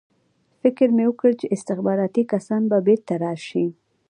فکر مې وکړ چې استخباراتي کسان به بېرته راشي